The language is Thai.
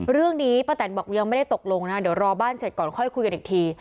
เรื่องนี้ป้าแตนบอกยังไม่ได้ตกลงนะเดี๋ยวรอบ้านเสร็จก่อนค่อยคุยกันอีกที